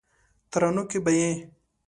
ترانو کې به یې